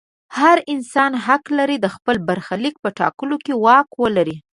هر انسان حق لري د خپل برخلیک په ټاکلو کې واک ولري.